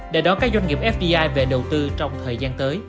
để đón các doanh nghiệp fdi về đầu tư trong thời gian tới